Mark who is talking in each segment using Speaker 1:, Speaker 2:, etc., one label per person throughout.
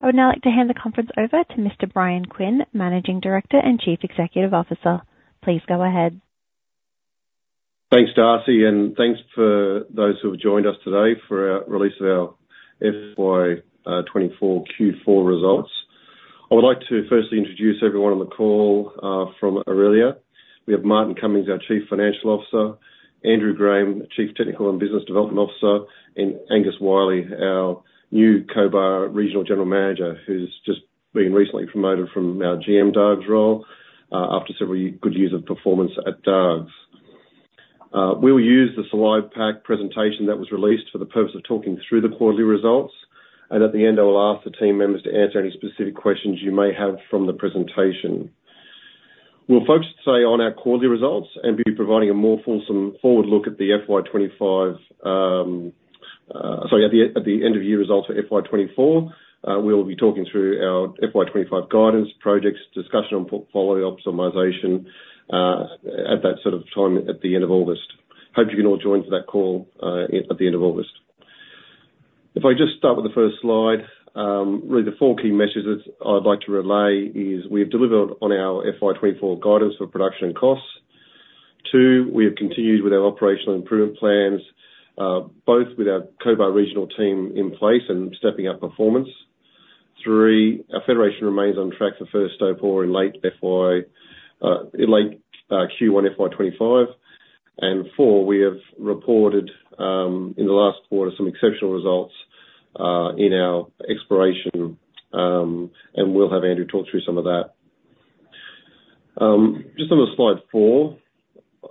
Speaker 1: I would now like to hand the conference over to Mr. Brian Quinn, Managing Director and Chief Executive Officer. Please go ahead.
Speaker 2: Thanks, Darcy, and thanks for those who have joined us today for our release of our FY 24 Q4 results. I would like to firstly introduce everyone on the call from Aurelia. We have Martin Cummings, our Chief Financial Officer, Andrew Graham, Chief Technical and Business Development Officer, and Angus Wiley, our new Cobar Regional General Manager, who's just been recently promoted from our GM Darves role after several good years of performance at Darves. We'll use the slide pack presentation that was released for the purpose of talking through the quarterly results, and at the end, I will ask the team members to answer any specific questions you may have from the presentation. We'll focus today on our quarterly results and be providing a more fulsome forward look at the FY 2025, at the end of year results for FY 2024. We'll be talking through our FY 2025 guidance, projects, discussion on portfolio optimization, at that sort of time at the end of August. Hope you can all join for that call, at the end of August. If I just start with the first slide, really the four key messages I'd like to relay is: we have delivered on our FY 2024 guidance for production costs. Two, we have continued with our operational improvement plans, both with our Cobar regional team in place and stepping up performance. Three, our Federation remains on track for first stope in late Q1 FY 2025. And 4, we have reported in the last quarter some exceptional results in our exploration, and we'll have Andrew talk through some of that. Just on the slide 4,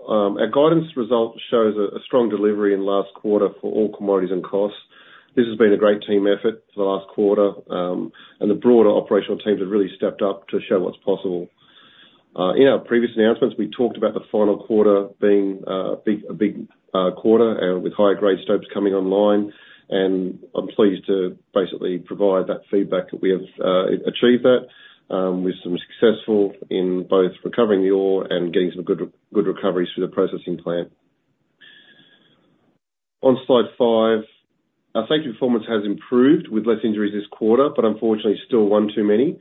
Speaker 2: our guidance result shows a strong delivery in last quarter for all commodities and costs. This has been a great team effort for the last quarter, and the broader operational teams have really stepped up to show what's possible. In our previous announcements, we talked about the final quarter being a big quarter and with higher grade stopes coming online, and I'm pleased to basically provide that feedback that we have achieved that, with some success in both recovering the ore and getting some good recoveries through the processing plant. On slide five, our safety performance has improved with less injuries this quarter, but unfortunately, still 1 too many.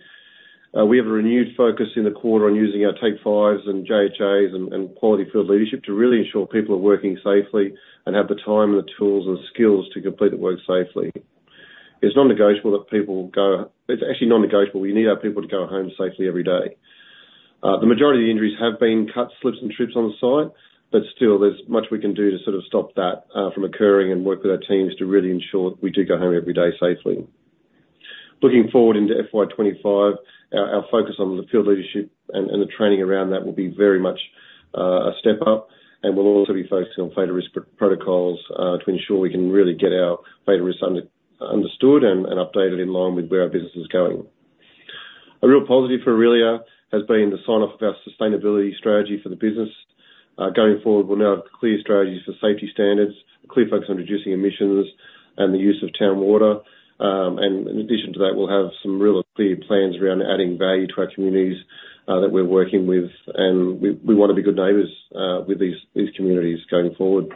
Speaker 2: We have a renewed focus in the quarter on using our Take 5s and JHAs and quality field leadership to really ensure people are working safely and have the time and the tools and skills to complete the work safely. It's non-negotiable that people go. It's actually non-negotiable. We need our people to go home safely every day. The majority of the injuries have been cuts, slips, and trips on the site, but still there's much we can do to sort of stop that from occurring and work with our teams to really ensure that we do go home every day safely. Looking forward into FY 25, our focus on the field leadership and the training around that will be very much a step up, and we'll also be focusing on fatal risk protocols to ensure we can really get our fatal risk understood and updated in line with where our business is going. A real positive for Aurelia has been the sign-off of our sustainability strategy for the business. Going forward, we'll now have clear strategies for safety standards, a clear focus on reducing emissions and the use of town water, and in addition to that, we'll have some real clear plans around adding value to our communities that we're working with, and we wanna be good neighbors with these communities going forward.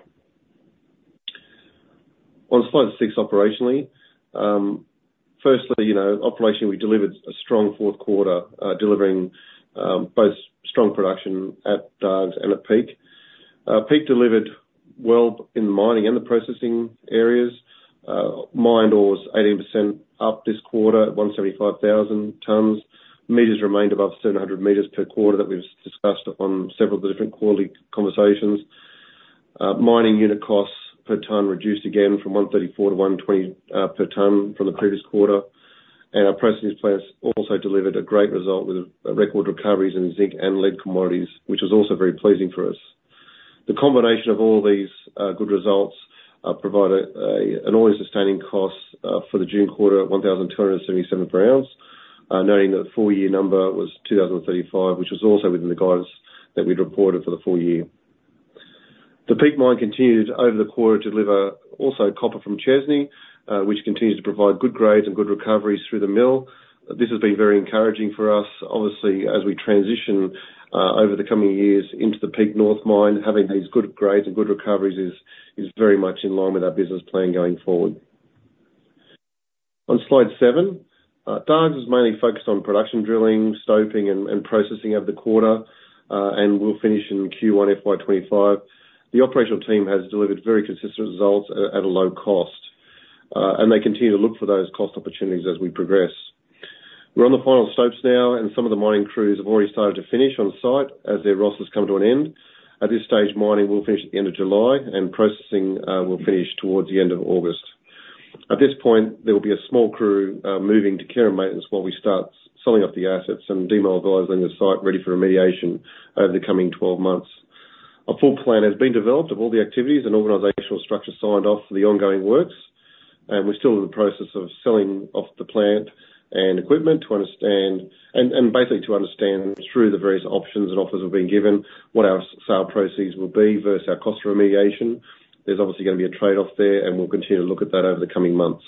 Speaker 2: On slide six, operationally. Firstly, you know, operationally, we delivered a strong Q4, delivering both strong production at Darves and at Peak. Peak delivered well in mining and the processing areas. Mined ore was 18% up this quarter, at 175,000 tons. Meters remained above 700 meters per quarter that we've discussed on several of the different quarterly conversations. Mining unit costs per ton reduced again from 134 to 120 per ton from the previous quarter. And our processing plants also delivered a great result with a record recoveries in zinc and lead commodities, which was also very pleasing for us. The combination of all these good results provided an all-in sustaining cost for the June quarter at 1,277 per ounce. Noting the full year number was 2,035, which was also within the guidance that we'd reported for the full year. The Peak Mine continued over the quarter to deliver also copper from Chesney, which continues to provide good grades and good recoveries through the mill. This has been very encouraging for us. Obviously, as we transition over the coming years into the Peak North Mine, having these good grades and good recoveries is very much in line with our business plan going forward. On slide 7, Darves is mainly focused on production, drilling, stoping, and processing over the quarter, and we'll finish in Q1 FY2025. The operational team has delivered very consistent results at a low cost, and they continue to look for those cost opportunities as we progress. We're on the final stopes now, and some of the mining crews have already started to finish on site as their rosters come to an end. At this stage, mining will finish at the end of July, and processing will finish towards the end of August. At this point, there will be a small crew moving to care and maintenance while we start selling off the assets and demobilizing the site, ready for remediation over the coming 12 months. A full plan has been developed of all the activities and organizational structure signed off for the ongoing works, and we're still in the process of selling off the plant and equipment to understand... and basically to understand through the various options and offers we've been given, what our sale proceeds will be versus our cost of remediation. There's obviously going to be a trade-off there, and we'll continue to look at that over the coming months.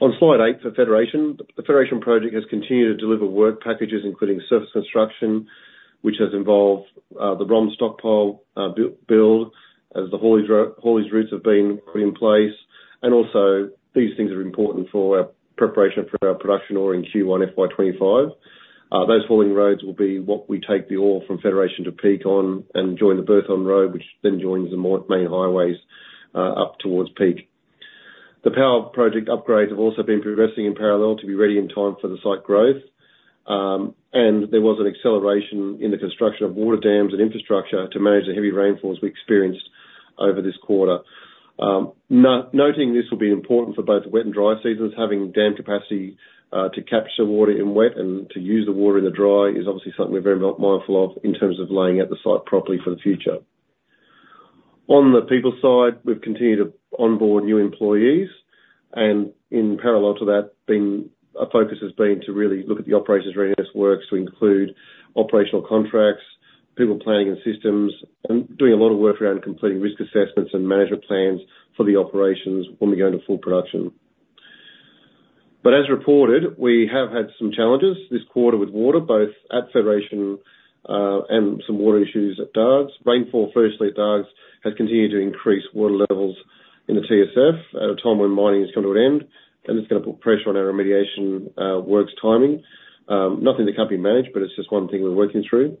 Speaker 2: On slide eight, for Federation, the Federation project has continued to deliver work packages, including surface construction, which has involved the ROM stockpile build as the haulage routes have been put in place. And also, these things are important for our preparation for our production ore in Q1 FY 2025. Those hauling roads will be what we take the ore from Federation to Peak on and join the Burthong Road, which then joins the main highways up towards Peak. The power project upgrades have also been progressing in parallel to be ready in time for the site growth. And there was an acceleration in the construction of water dams and infrastructure to manage the heavy rainfalls we experienced over this quarter. Noting this will be important for both the wet and dry seasons, having dam capacity to capture water in wet and to use the water in the dry, is obviously something we're very well mindful of in terms of laying out the site properly for the future. On the people side, we've continued to onboard new employees, and in parallel to that, our focus has been to really look at the operations readiness works to include operational contracts, people planning and systems, and doing a lot of work around completing risk assessments and management plans for the operations when we go into full production. But as reported, we have had some challenges this quarter with water, both at Federation, and some water issues at Darves. Rainfall, firstly at Darves, has continued to increase water levels in the TSF at a time when mining has come to an end, and it's gonna put pressure on our remediation works timing. Nothing that can't be managed, but it's just one thing we're working through.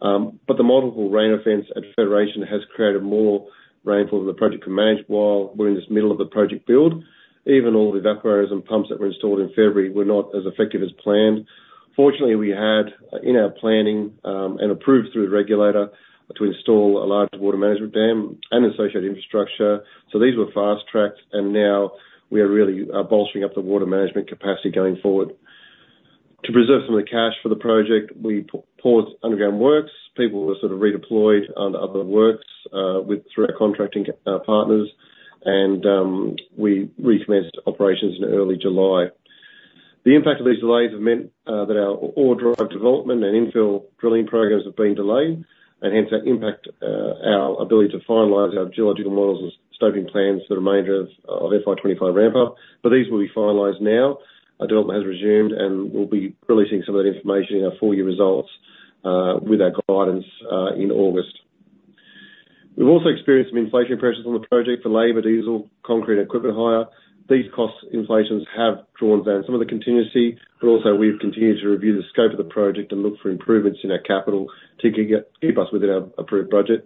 Speaker 2: But the multiple rain events at Federation has created more rainfall than the project can manage while we're in this middle of the project build. Even all the evaporators and pumps that were installed in February were not as effective as planned. Fortunately, we had in our planning and approved through the regulator to install a large water management dam and associated infrastructure. So these were fast-tracked, and now we are really bolstering up the water management capacity going forward. To preserve some of the cash for the project, we paused underground works. People were sort of redeployed on other works with through our contracting partners, and we recommenced operations in early July. The impact of these delays have meant that our ore drive development and infill drilling programs have been delayed, and hence that impact our ability to finalize our geological models and stoping plans for the remainder of FY 25 ramp up. But these will be finalized now. Our development has resumed, and we'll be releasing some of that information in our full year results with our guidance in August. We've also experienced some inflation pressures on the project for labor, diesel, concrete, and equipment hire. These cost inflations have drawn down some of the contingency, but also we've continued to review the scope of the project and look for improvements in our capital to keep us within our approved budget.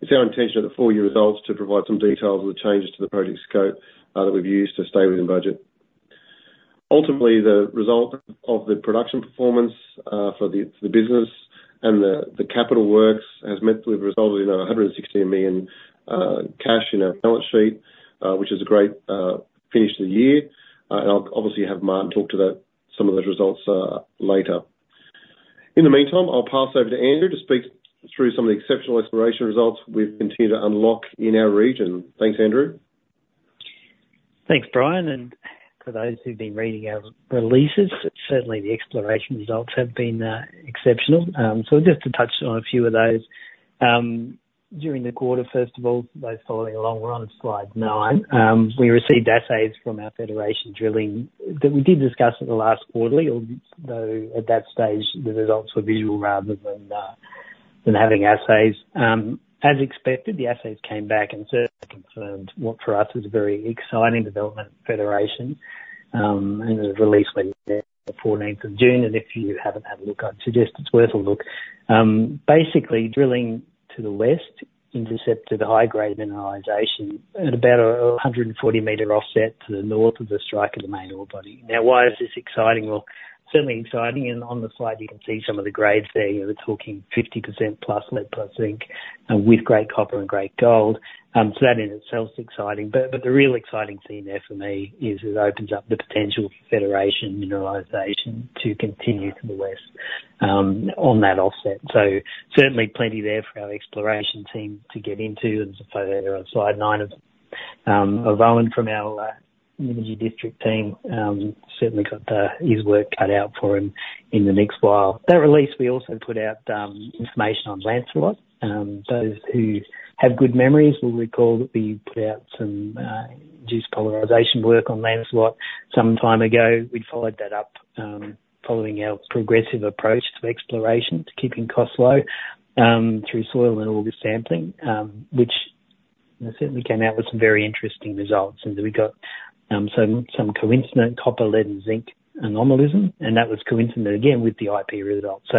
Speaker 2: It's our intention of the full year results to provide some details of the changes to the project scope that we've used to stay within budget. Ultimately, the result of the production performance for the business and the capital works has meant we've resulted in 116 million cash in our balance sheet, which is a great finish to the year. I'll obviously have Martin talk to that, some of those results later. In the meantime, I'll pass over to Andrew to speak through some of the exceptional exploration results we've continued to unlock in our region. Thanks, Andrew.
Speaker 3: Thanks, Brian. And for those who've been reading our releases, certainly the exploration results have been exceptional. So just to touch on a few of those, during the quarter, first of all, those following along, we're on slide 9. We received assays from our Federation drilling that we did discuss at the last quarterly, although at that stage, the results were visual rather than having assays. As expected, the assays came back and certainly confirmed what for us is a very exciting development, Federation. And the release was there the fourteenth of June, and if you haven't had a look, I'd suggest it's worth a look. Basically, drilling to the west intercepted the high-grade mineralization at about a 140-meter offset to the north of the strike of the main ore body. Now, why is this exciting? Well, certainly exciting, and on the slide you can see some of the grades there. We're talking 50% plus lead, plus zinc, with great copper and great gold. So that in itself is exciting, but, but the real exciting thing there for me is it opens up the potential for Federation mineralization to continue to the west, on that offset. So certainly plenty there for our exploration team to get into. And so there on slide 9, of Rowan from our, Nymagee District team, certainly got his work cut out for him in the next while. That release, we also put out, information on Lancelot. Those who have good memories will recall that we put out some, juice polarization work on Lancelot some time ago. We followed that up, following our progressive approach to exploration, to keeping costs low, through soil and auger sampling, which certainly came out with some very interesting results. And we got some coincident copper, lead, and zinc anomalies, and that was coincident, again, with the IP result. So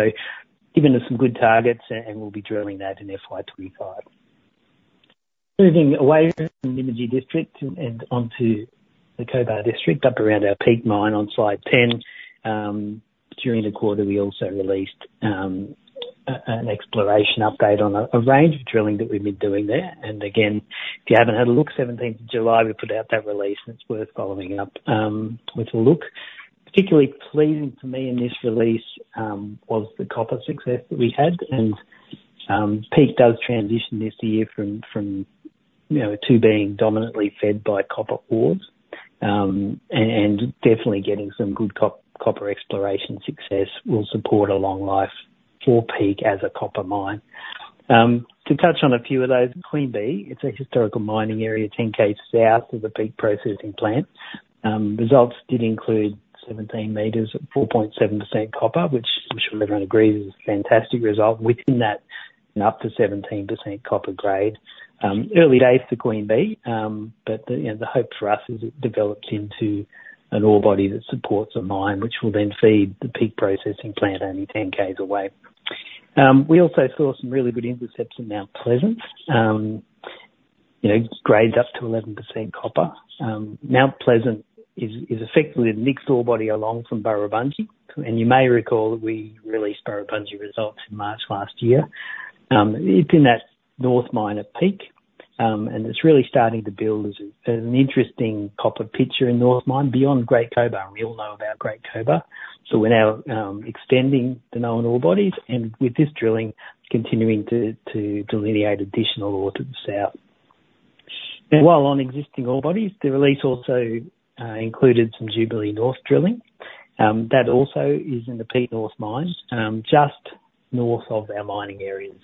Speaker 3: given us some good targets, and we'll be drilling that in FY 25. Moving away from the Nymagee District and onto the Cobar District, up around our Peak Mine on slide 10. During the quarter, we also released an exploration update on a range of drilling that we've been doing there. And again, if you haven't had a look, seventeenth of July, we put out that release, and it's worth following up with a look. Particularly pleasing to me in this release was the copper success that we had. Peak does transition this year from, from, you know, to being dominantly fed by copper ores. And definitely getting some good copper exploration success will support a long life for Peak as a copper mine. To touch on a few of those, Queen Bee, it's a historical mining area, 10 km south of the Peak processing plant. Results did include 17 meters at 4.7% copper, which I'm sure everyone agrees is a fantastic result within that, and up to 17% copper grade. Early days for Queen Bee, but the, you know, the hope for us is it develops into an ore body that supports a mine, which will then feed the Peak processing plant only 10 km away. We also saw some really good intercepts in Mount Pleasant. You know, grades up to 11% copper. Mount Pleasant is effectively the next ore body along from Burrabungie, and you may recall that we released Burrabungie results in March last year. It's in that North Mine at Peak, and it's really starting to build as an interesting copper picture in North Mine, beyond Great Cobar. We all know about Great Cobar, so we're now extending the known ore bodies, and with this drilling, continuing to delineate additional ore to the south. While on existing ore bodies, the release also included some Jubilee North drilling. That also is in the Peak North Mine, just north of our mining areas.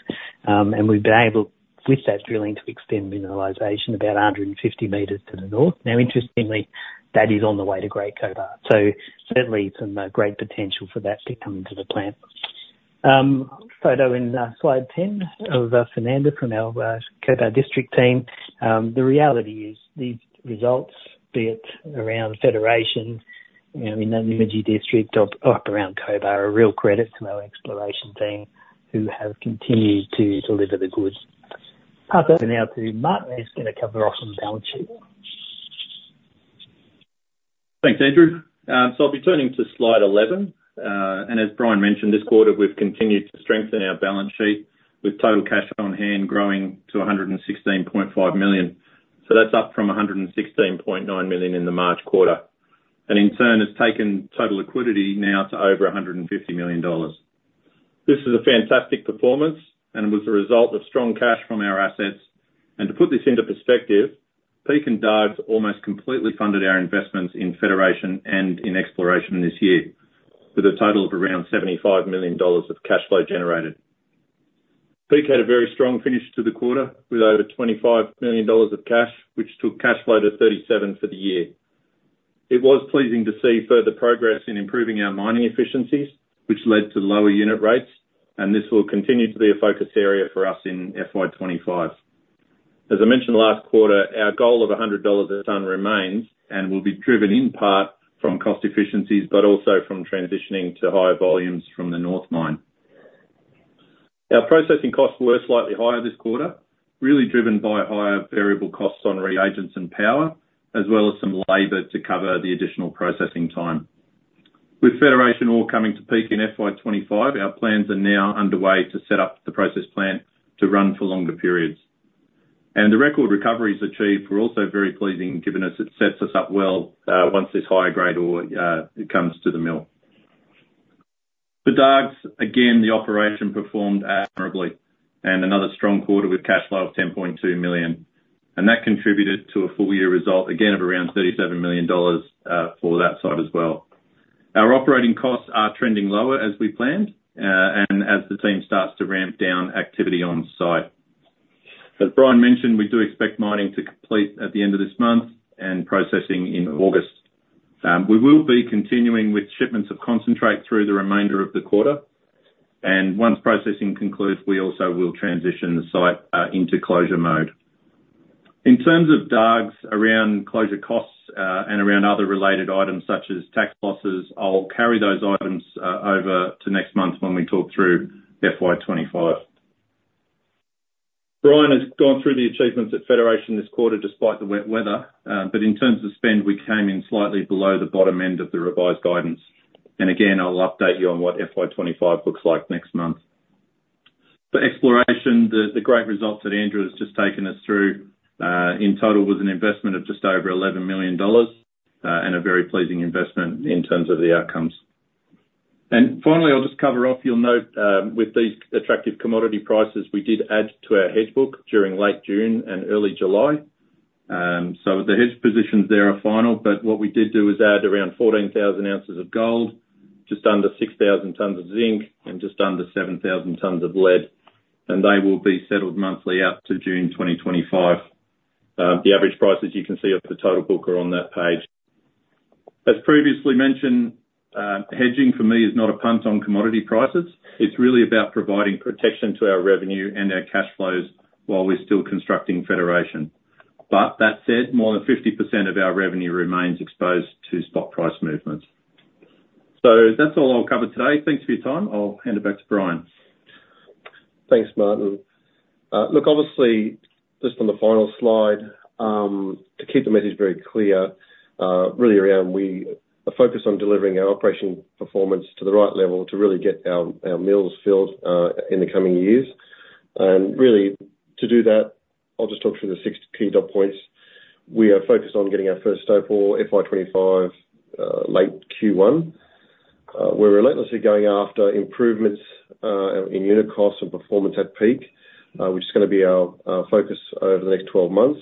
Speaker 3: And we've been able, with that drilling, to extend mineralization about 150 meters to the north. Now, interestingly, that is on the way to Great Cobar, so certainly some great potential for that to come into the plant. Photo in slide 10 of Fernanda from our Cobar district team. The reality is, these results, be it around Federation, you know, in that Nymagee district or up around Cobar, a real credit to our exploration team, who have continued to deliver the goods. Pass over now to Martin, who's going to cover off on the balance sheet.
Speaker 4: Thanks, Andrew. So I'll be turning to slide 11. And as Brian mentioned, this quarter, we've continued to strengthen our balance sheet with total cash on hand growing to 116.5 million. So that's up from 116.9 million in the March quarter, and in turn, has taken total liquidity now to over 150 million dollars. This is a fantastic performance, and was a result of strong cash from our assets. And to put this into perspective, Peak and Darves almost completely funded our investments in Federation and in exploration this year, with a total of around 75 million dollars of cash flow generated. Peak had a very strong finish to the quarter, with over 25 million dollars of cash, which took cash flow to 37 for the year. It was pleasing to see further progress in improving our mining efficiencies, which led to lower unit rates, and this will continue to be a focus area for us in FY 25. As I mentioned last quarter, our goal of 100 dollars a ton remains, and will be driven in part from cost efficiencies, but also from transitioning to higher volumes from the North Mine. Our processing costs were slightly higher this quarter, really driven by higher variable costs on reagents and power, as well as some labor to cover the additional processing time. With Federation all coming to Peak in FY 25, our plans are now underway to set up the processing plant to run for longer periods. The record recoveries achieved were also very pleasing, given as it sets us up well, once this higher grade ore, it comes to the mill. For Darves, again, the operation performed admirably, and another strong quarter with cash flow of 10.2 million, and that contributed to a full year result, again, of around 37 million dollars, for that side as well. Our operating costs are trending lower as we planned, and as the team starts to ramp down activity on site. As Brian mentioned, we do expect mining to complete at the end of this month, and processing in August. We will be continuing with shipments of concentrate through the remainder of the quarter, and once processing concludes, we also will transition the site, into closure mode. In terms of Darves, around closure costs, and around other related items such as tax losses, I'll carry those items, over to next month when we talk through FY 2025. Brian has gone through the achievements at Federation this quarter despite the wet weather, but in terms of spend, we came in slightly below the bottom end of the revised guidance. And again, I'll update you on what FY 25 looks like next month. For exploration, the great results that Andrew has just taken us through, in total, was an investment of just over 11 million dollars, and a very pleasing investment in terms of the outcomes. And finally, I'll just cover off. You'll note, with these attractive commodity prices, we did add to our hedge book during late June and early July. So the hedge positions there are final, but what we did do was add around 14,000 ounces of gold, just under 6,000 tonnes of zinc, and just under 7,000 tonnes of lead, and they will be settled monthly out to June 2025. The average prices you can see of the total book are on that page. As previously mentioned, hedging for me is not a punt on commodity prices. It's really about providing protection to our revenue and our cash flows while we're still constructing Federation. But that said, more than 50% of our revenue remains exposed to spot price movements. So that's all I'll cover today. Thanks for your time. I'll hand it back to Brian.
Speaker 2: Thanks, Martin. Look, obviously, just on the final slide, to keep the message very clear, really around we are focused on delivering our operation performance to the right level to really get our, our mills filled, in the coming years. And really, to do that, I'll just talk through the six key dot points. We are focused on getting our first stope ore FY 2025, late Q1. We're relentlessly going after improvements, in unit costs and performance at Peak, which is gonna be our focus over the next 12 months....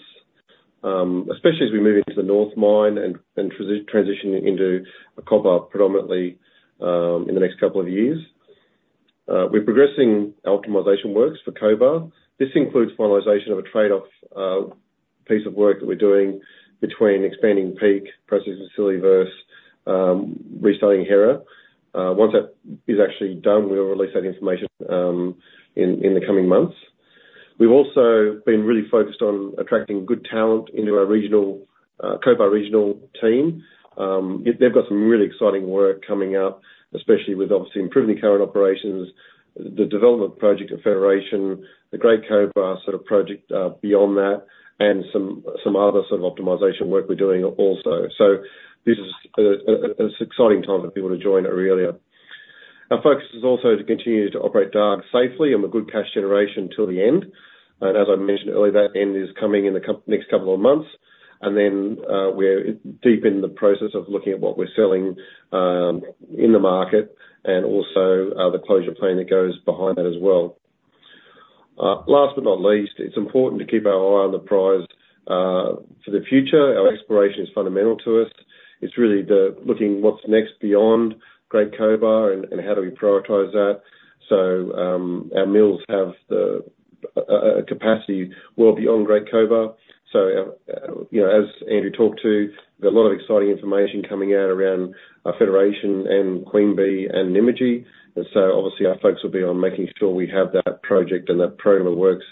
Speaker 2: especially as we move into the North Mine and transitioning into a copper predominantly in the next couple of years. We're progressing our optimization works for Cobar. This includes finalization of a trade-off piece of work that we're doing between expanding Peak processing facility versus restarting Hera. Once that is actually done, we'll release that information in the coming months. We've also been really focused on attracting good talent into our regional Cobar regional team. They've got some really exciting work coming up, especially with obviously improving the current operations, the development project of Federation, the Great Cobar sort of project beyond that, and some other sort of optimization work we're doing also. So this is an exciting time for people to join Aurelia. Our focus is also to continue to operate Darves safely and with good cash generation till the end. As I mentioned earlier, that end is coming in the next couple of months. And then, we're deep in the process of looking at what we're selling in the market and also the closure plan that goes behind that as well. Last but not least, it's important to keep our eye on the prize for the future. Our exploration is fundamental to us. It's really the looking what's next beyond Great Cobar and how do we prioritize that. So, our mills have the capacity well beyond Great Cobar. So, you know, as Andrew talked to, there's a lot of exciting information coming out around Federation and Queen Bee and Nymagee. Obviously, our focus will be on making sure we have that project and that program works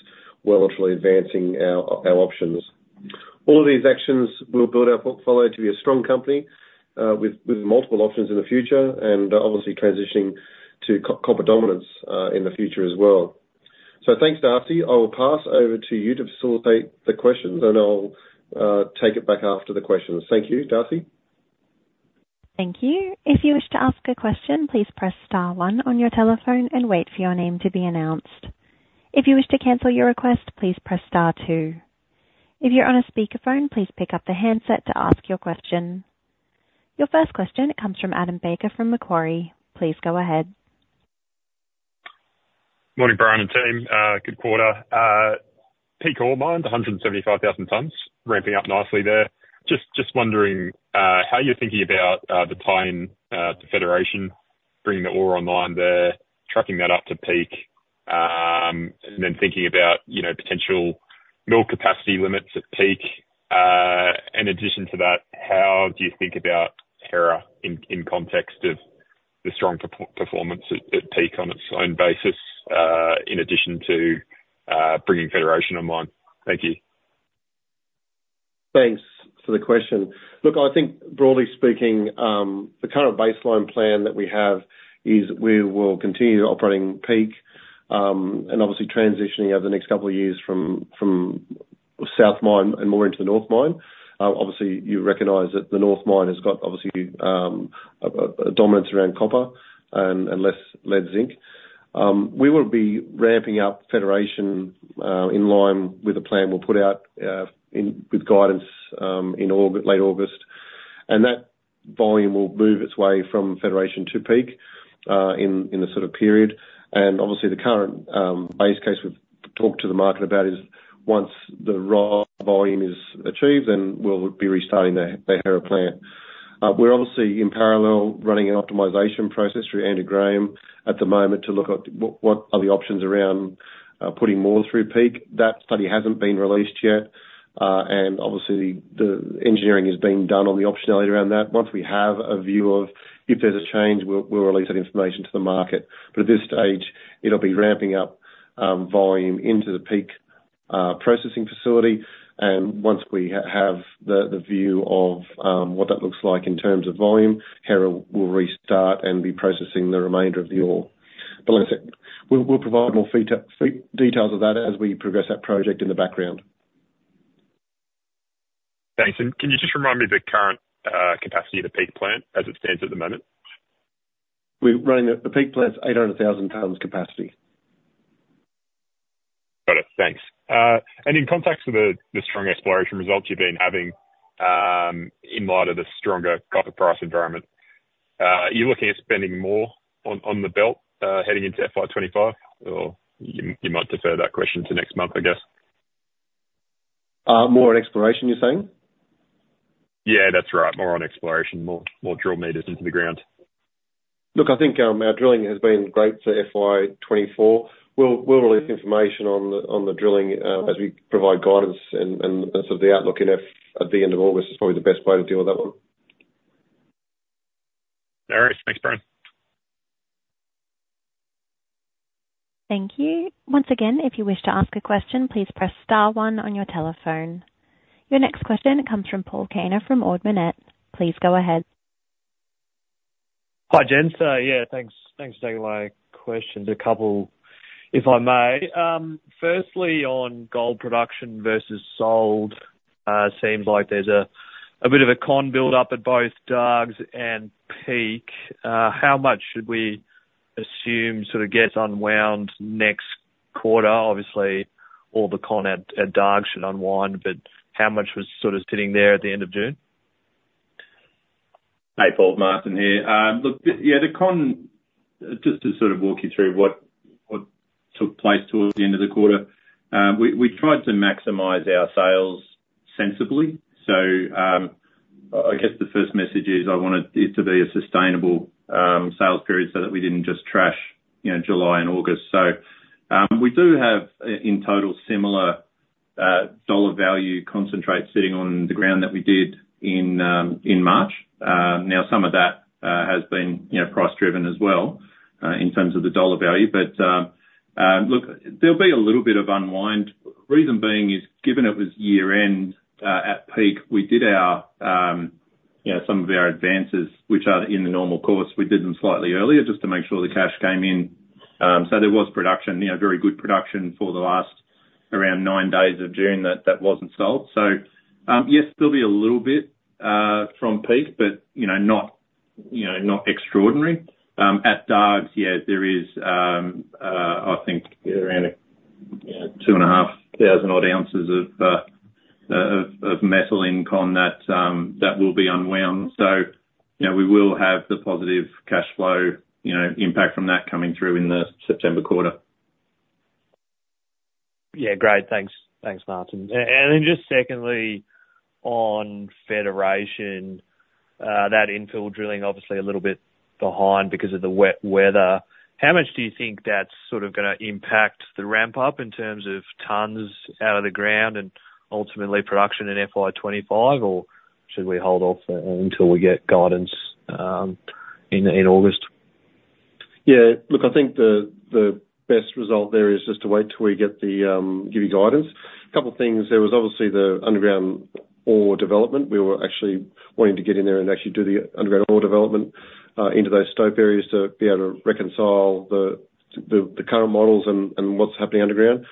Speaker 2: well while advancing our options. All of these actions will build our portfolio to be a strong company with multiple options in the future, and obviously transitioning to copper dominance in the future as well. So thanks, Darcy. I will pass over to you to facilitate the questions, and I'll take it back after the questions. Thank you. Darcy?
Speaker 1: Thank you. If you wish to ask a question, please press star one on your telephone and wait for your name to be announced. If you wish to cancel your request, please press star two. If you're on a speakerphone, please pick up the handset to ask your question. Your first question comes from Adam Baker, from Macquarie. Please go ahead.
Speaker 5: Morning, Brian and team, good quarter. Peak North Mine, 175,000 tons, ramping up nicely there. Just wondering how you're thinking about the tie-in to Federation, bringing the ore online there, tracking that up to peak, and then thinking about, you know, potential mill capacity limits at peak. In addition to that, how do you think about Hera in context of the strong performance at Peak on its own basis, in addition to bringing Federation online? Thank you.
Speaker 2: Thanks for the question. Look, I think broadly speaking, the current baseline plan that we have is we will continue operating Peak, and obviously transitioning over the next couple of years from South Mine and more into the North Mine. Obviously, you recognize that the North Mine has got a dominance around copper and less lead zinc. We will be ramping up Federation in line with the plan we'll put out with guidance in late August. And that volume will move its way from Federation to Peak in the sort of period. And obviously, the current base case we've talked to the market about is once the raw volume is achieved, then we'll be restarting the Hera plant. We're obviously in parallel running an optimization process through Andrew Graham at the moment to look at what are the options around putting more through Peak. That study hasn't been released yet, and obviously, the engineering is being done on the optionality around that. Once we have a view of if there's a change, we'll release that information to the market. But at this stage, it'll be ramping up volume into the Peak processing facility. And once we have the view of what that looks like in terms of volume, Hera will restart and be processing the remainder of the ore. But listen, we'll provide more details of that as we progress that project in the background.
Speaker 5: Thanks. And can you just remind me the current capacity of the Peak plant as it stands at the moment?
Speaker 2: We're running the Peak plant's 800,000 tons capacity.
Speaker 5: Got it. Thanks. And in context of the strong exploration results you've been having, in light of the stronger copper price environment, are you looking at spending more on the belt, heading into FY 25? Or you might defer that question to next month, I guess.
Speaker 2: More on exploration, you're saying?
Speaker 5: Yeah, that's right. More on exploration, more, more drill meters into the ground.
Speaker 2: Look, I think, our drilling has been great for FY 2024. We'll release information on the drilling, as we provide guidance and so the outlook in FY at the end of August is probably the best way to deal with that one.
Speaker 5: All right. Thanks, Brian.
Speaker 1: Thank you. Once again, if you wish to ask a question, please press star one on your telephone. Your next question comes from Paul Kaner from Ord Minnett. Please go ahead.
Speaker 6: Hi, gents. Yeah, thanks. Thanks for taking my questions. A couple, if I may. Firstly, on gold production versus sold, seems like there's a bit of a con buildup at both Darbs and Peak. How much should we assume sort of gets unwound next quarter? Obviously, all the con at Darb should unwind, but how much was sort of sitting there at the end of June?...
Speaker 4: Hey, Paul, Martin here. Look, just to sort of walk you through what took place towards the end of the quarter. We tried to maximize our sales sensibly. So, I guess the first message is, I wanted it to be a sustainable sales period so that we didn't just trash, you know, July and August. So, we do have, in total, similar dollar value concentrate sitting on the ground that we did in March. Now, some of that has been, you know, price driven as well, in terms of the dollar value. But look, there'll be a little bit of unwind. Reason being is, given it was year end, at peak, we did our, you know, some of our advances, which are in the normal course. We did them slightly earlier, just to make sure the cash came in. So there was production, you know, very good production for the last around 9 days of June that wasn't sold. So, yes, there'll be a little bit from Peak, but, you know, not, you know, not extraordinary. At Darves, yeah, there is, I think around, you know, 2,500 odd ounces of metal in con that will be unwound. So, you know, we will have the positive cashflow, you know, impact from that coming through in the September quarter.
Speaker 6: Yeah. Great. Thanks. Thanks, Martin. And then just secondly, on Federation, that infill drilling obviously a little bit behind because of the wet weather. How much do you think that's sort of gonna impact the ramp up in terms of tons out of the ground and ultimately production in FY 2025? Or should we hold off until we get guidance in August?
Speaker 4: Yeah, look, I think the best result there is just to wait till we get to give you guidance. A couple things, there was obviously the underground ore development. We were actually wanting to get in there and actually do the underground ore development into those stope areas to be able to reconcile the current models and what's happening underground,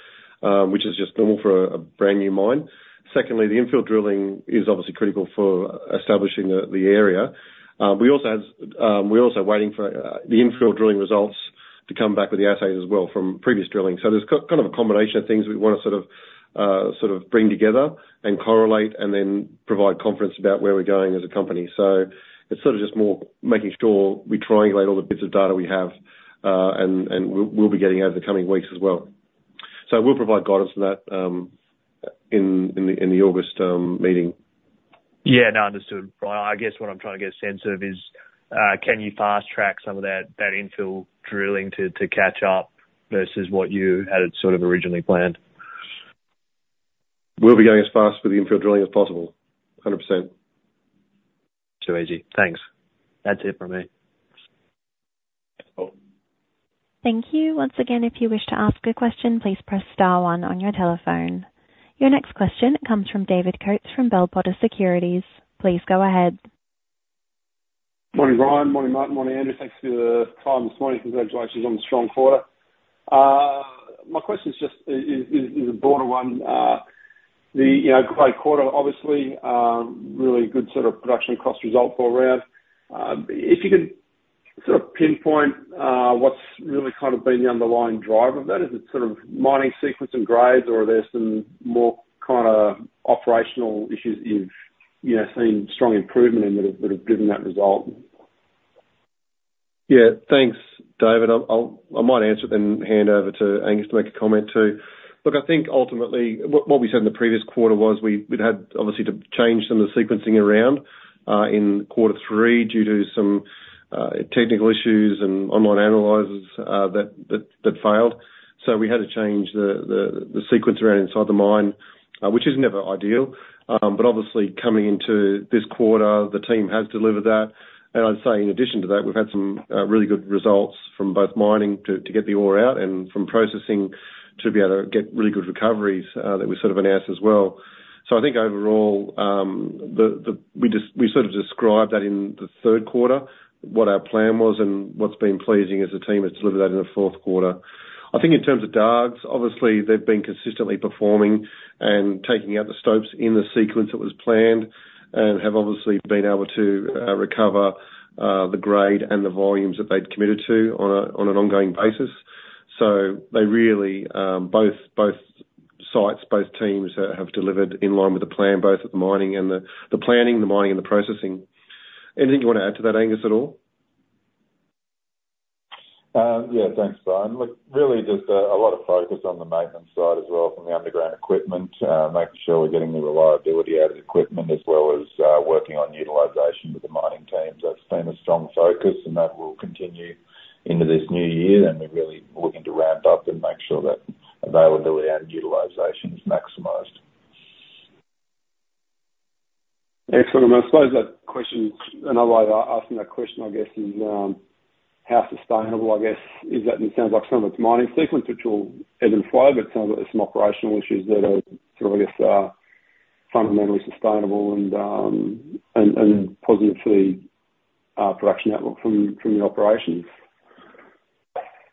Speaker 4: which is just normal for a brand new mine. Secondly, the infill drilling is obviously critical for establishing the area. We're also waiting for the infill drilling results to come back with the assays as well from previous drilling. So there's kind of a combination of things we wanna sort of sort of bring together and correlate, and then provide confidence about where we're going as a company. So it's sort of just more making sure we triangulate all the bits of data we have, and we'll be getting over the coming weeks as well. So we'll provide guidance on that, in the August meeting.
Speaker 6: Yeah. No, understood. Well, I guess what I'm trying to get a sense of is, can you fast track some of that, that infill drilling to, to catch up versus what you had sort of originally planned?
Speaker 4: We'll be going as fast with the infill drilling as possible. 100%.
Speaker 6: Too easy. Thanks. That's it from me.
Speaker 4: Cool.
Speaker 1: Thank you. Once again, if you wish to ask a question, please press star one on your telephone. Your next question comes from David Coates from Bell Potter Securities. Please go ahead.
Speaker 7: Morning, Brian. Morning, Martin. Morning, Andrew. Thanks for your time this morning. Congratulations on the strong quarter. My question is just, is a broader one. The, you know, great quarter, obviously, really good sort of production cost result all around. If you could sort of pinpoint, what's really kind of been the underlying driver of that? Is it sort of mining sequence and grades, or are there some more kinda operational issues you've, you know, seen strong improvement and that have driven that result?
Speaker 2: Yeah. Thanks, David. I'll answer then hand over to Angus to make a comment, too. Look, I think ultimately what we said in the previous quarter was we'd had obviously to change some of the sequencing around in quarter three due to some technical issues and online analyzers that failed. So we had to change the sequence around inside the mine, which is never ideal. But obviously coming into this quarter, the team has delivered that. And I'd say in addition to that, we've had some really good results from both mining to get the ore out and from processing to be able to get really good recoveries that we sort of announced as well. So I think overall, we just sort of described that in the Q3, what our plan was and what's been pleasing as a team, it's delivered that in the fourth Q4. I think in terms of Darves, obviously, they've been consistently performing and taking out the stopes in the sequence that was planned, and have obviously been able to recover the grade and the volumes that they'd committed to on an ongoing basis. So they really, both sites, both teams have delivered in line with the plan, both at the mining and the planning, the mining, and the processing. Anything you want to add to that, Angus, at all?
Speaker 8: Yeah, thanks, Brian. Look, really just a lot of focus on the maintenance side as well from the underground equipment. Making sure we're getting the reliability out of the equipment, as well as working on utilization with the mining teams. That's been a strong focus, and that will continue into this new year, and we're really looking to ramp up and make sure that availability and utilization is maximized.
Speaker 7: Excellent. I suppose that question, another way of asking that question, I guess, is how sustainable, I guess, is that? It sounds like some of it's mining sequence, which will ebb and flow, but some of it is some operational issues that are sort of, I guess, fundamentally sustainable and positive for the production outlook from your operations.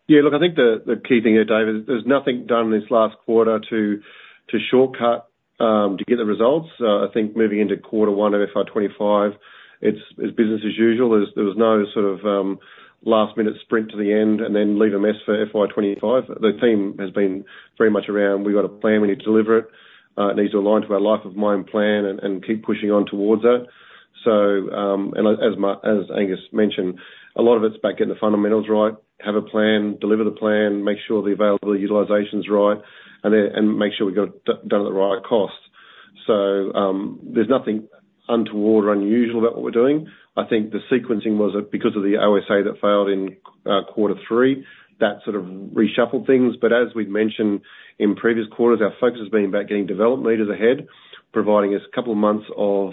Speaker 2: Yeah, look, I think the key thing here, David, there's nothing done in this last quarter to shortcut to get the results. I think moving into quarter one of FY 25, it's business as usual. There was no sort of last-minute sprint to the end and then leave a mess for FY 25. The team has been very much around, "We've got a plan, we need to deliver it. It needs to align to our life of mine plan and keep pushing on towards that."... So, and as Angus mentioned, a lot of it's about getting the fundamentals right, have a plan, deliver the plan, make sure the available utilization's right, and then make sure we got it done at the right cost. So, there's nothing untoward or unusual about what we're doing. I think the sequencing was because of the OSA that failed in quarter three. That sort of reshuffled things. But as we've mentioned in previous quarters, our focus has been about getting development meters ahead, providing us a couple of months of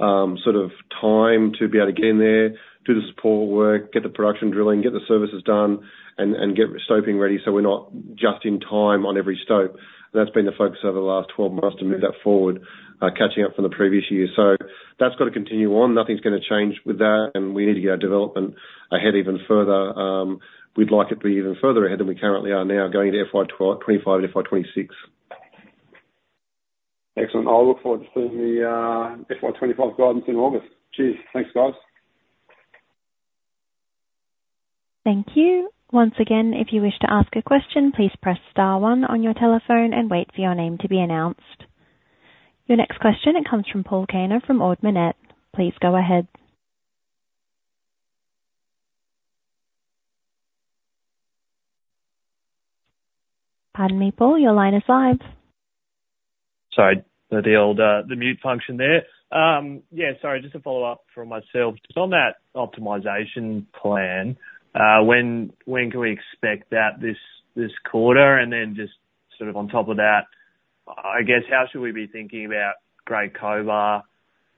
Speaker 2: sort of time to be able to get in there, do the support work, get the production drilling, get the services done, and, and get stoping ready, so we're not just in time on every stope. That's been the focus over the last 12 months, to move that forward, catching up from the previous years. So that's got to continue on. Nothing's gonna change with that, and we need to get our development ahead even further. We'd like it to be even further ahead than we currently are now, going into FY 2025 and FY 2026.
Speaker 7: Excellent. I'll look forward to seeing the, FY 25 guidance in August. Cheers. Thanks, guys.
Speaker 1: Thank you. Once again, if you wish to ask a question, please press star one on your telephone and wait for your name to be announced. Your next question comes from Paul Caner from Ord Minnett. Please go ahead. Pardon me, Paul, your line is live.
Speaker 6: Sorry, the old, the mute function there. Yeah, sorry, just a follow-up from myself. Just on that optimization plan, when, when can we expect that this, this quarter? And then just sort of on top of that, I guess, how should we be thinking about Great Cobar,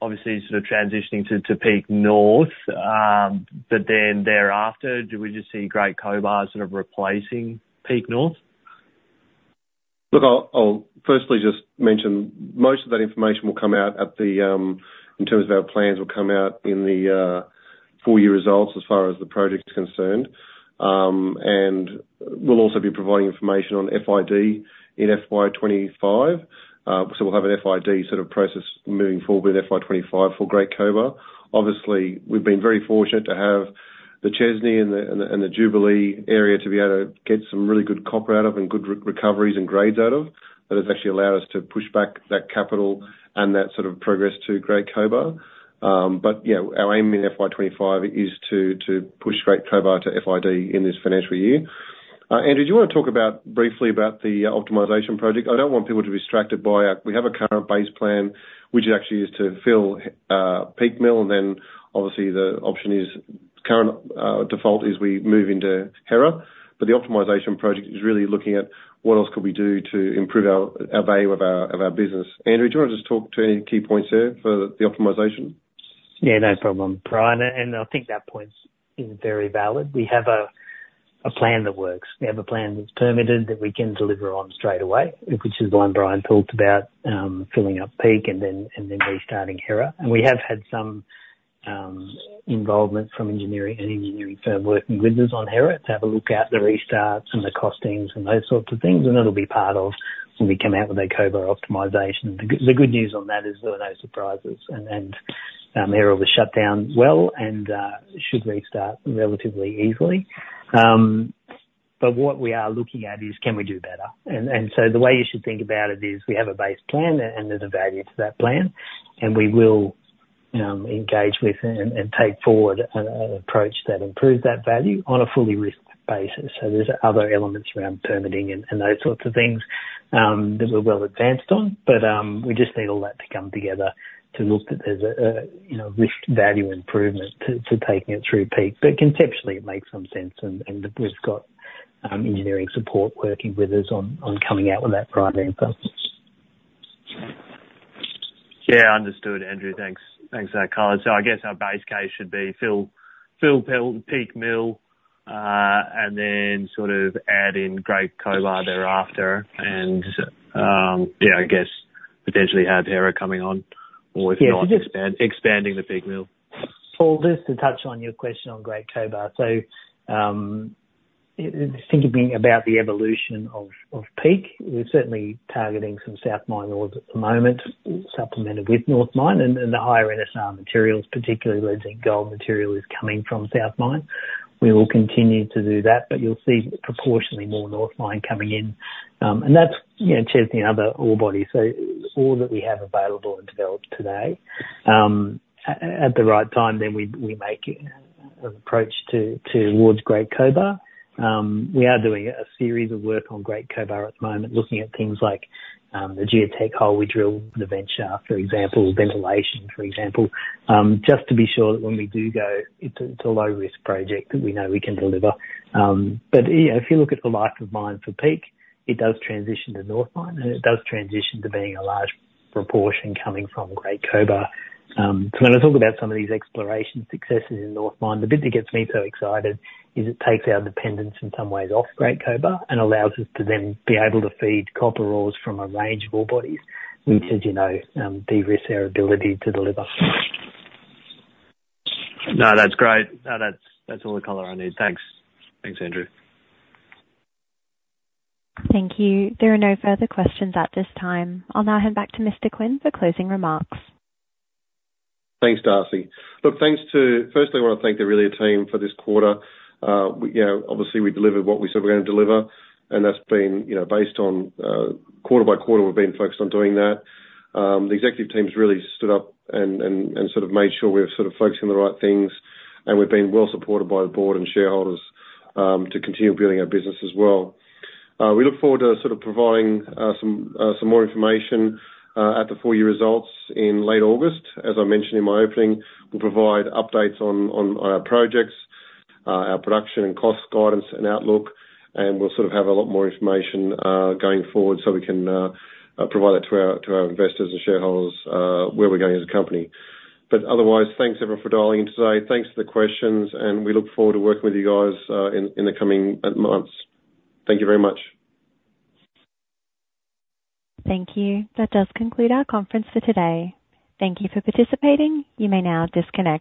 Speaker 6: obviously sort of transitioning to, to Peak North, but then thereafter, do we just see Great Cobar sort of replacing Peak North?
Speaker 2: Look, I'll firstly just mention, most of that information will come out at the, in terms of our plans, will come out in the full year results as far as the project's concerned. And we'll also be providing information on FID in FY 25. So we'll have an FID sort of process moving forward in FY 25 for Great Cobar. Obviously, we've been very fortunate to have the Chesney and the Jubilee area to be able to get some really good copper out of, and good recoveries and grades out of. That has actually allowed us to push back that capital and that sort of progress to Great Cobar. But yeah, our aim in FY 25 is to push Great Cobar to FID in this financial year. Andrew, do you want to talk about, briefly about the optimization project? I don't want people to be distracted by our... We have a current base plan, which actually is to fill Peak Mill, and then, obviously, the option is, current default is we move into Hera. But the optimization project is really looking at what else could we do to improve our, our value of our, of our business. Andrew, do you want to just talk to any key points there for the optimization?
Speaker 3: Yeah, no problem, Brian, and I think that point is very valid. We have a plan that works. We have a plan that's permitted, that we can deliver on straight away, which is the one Brian talked about, filling up Peak and then restarting Hera. And we have had some involvement from an engineering firm working with us on Hera to have a look at the restarts and the costings and those sorts of things, and it'll be part of when we come out with our Cobar optimization. The good news on that is there were no surprises, and Hera was shut down well, and should restart relatively easily. But what we are looking at is, can we do better? So the way you should think about it is, we have a base plan, and there's a value to that plan, and we will engage with and take forward an approach that improves that value on a fully risked basis. So there's other elements around permitting and those sorts of things that we're well advanced on, but we just need all that to come together to look that there's a you know, risked value improvement to taking it through Peak. But conceptually, it makes some sense, and we've got engineering support working with us on coming out with that right answer.
Speaker 6: Yeah, understood, Andrew. Thanks. Thanks for that color. So I guess our base case should be fill the Peak Mill, and then sort of add in Great Cobar thereafter, and, yeah, I guess potentially have Hera coming on-
Speaker 3: Yeah.
Speaker 6: Or, if not, expand the Peak Mill.
Speaker 3: Paul, just to touch on your question on Great Cobar. So, just thinking about the evolution of Peak, we're certainly targeting some South Mine ore at the moment, supplemented with North Mine and the higher NSR materials, particularly where zinc gold material is coming from South Mine. We will continue to do that, but you'll see proportionately more North Mine coming in. And that's, you know, chasing other ore bodies, so all that we have available and developed today, at the right time, then we make an approach towards Great Cobar. We are doing a series of work on Great Cobar at the moment, looking at things like, the geotech hole we drill, the vent shaft, for example, ventilation, for example, just to be sure that when we do go, it's a, it's a low-risk project that we know we can deliver. But, you know, if you look at the life of mine for Peak, it does transition to North Mine, and it does transition to being a large proportion coming from Great Cobar. So when I talk about some of these exploration successes in North Mine, the bit that gets me so excited is it takes our dependence, in some ways, off Great Cobar and allows us to then be able to feed copper ores from a range of ore bodies, which, as you know, de-risk our ability to deliver.
Speaker 6: No, that's great. No, that's, that's all the color I need. Thanks. Thanks, Andrew.
Speaker 1: Thank you. There are no further questions at this time. I'll now hand back to Mr. Quinn for closing remarks.
Speaker 2: Thanks, Darcy. Look, thanks to... Firstly, I want to thank the Aurelia team for this quarter. We, you know, obviously we delivered what we said we were going to deliver, and that's been, you know, based on, quarter by quarter, we've been focused on doing that. The executive team's really stood up and sort of made sure we're sort of focusing on the right things, and we've been well supported by the board and shareholders, to continue building our business as well. We look forward to sort of providing, some, some more information, at the full year results in late August. As I mentioned in my opening, we'll provide updates on our projects, our production and cost guidance and outlook, and we'll sort of have a lot more information going forward, so we can provide that to our investors and shareholders, where we're going as a company. But otherwise, thanks everyone for dialing in today. Thanks for the questions, and we look forward to working with you guys in the coming months. Thank you very much.
Speaker 1: Thank you. That does conclude our conference for today. Thank you for participating. You may now disconnect.